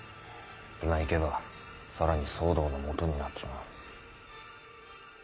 今行けば更に騒動のもとになっちまう。